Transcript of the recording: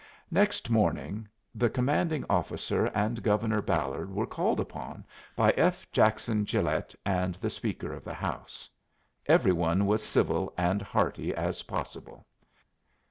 Next morning the commanding officer and Governor Ballard were called upon by F. Jackson Gilet and the Speaker of the House. Every one was civil and hearty as possible.